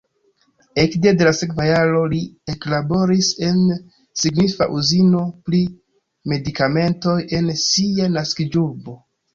Ekde la sekva jaro li eklaboris en signifa uzino pri medikamentoj en sia naskiĝurbo.